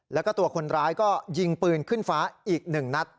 แล้วก็ตัวคนร้ายก็ยิงปืนขึ้นฟ้าอีก๑นัด